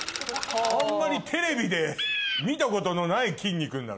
あんまりテレビで見たことのないきんに君なのよ。